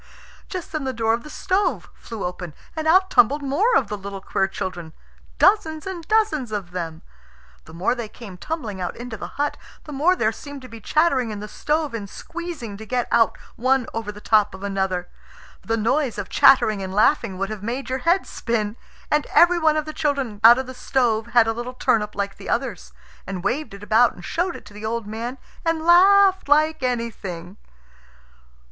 Just then the door of the stove flew open, and out tumbled more of the little queer children, dozens and dozens of them. The more they came tumbling out into the hut, the more there seemed to be chattering in the stove and squeezing to get out one over the top of another. The noise of chattering and laughing would have made your head spin. And every one of the children out of the stove had a little turnip like the others, and waved it about and showed it to the old man, and laughed like anything.